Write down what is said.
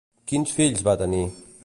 Quins fills van tenir?